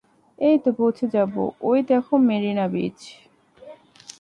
এইতো পৌছে যাবো, ঐদেখো, মেরিনা বিচ।